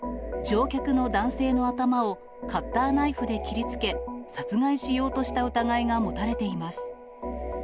乗客の男性の頭をカッターナイフで切りつけ、殺害しようとした疑いが持たれています。